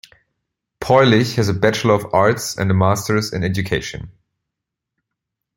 Peulich has a Bachelor of Arts and a Masters in Education.